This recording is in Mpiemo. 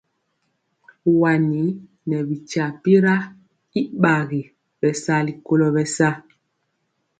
Wani nɛ bi tyapira y gbagi bɛ sali kolo bɛsa.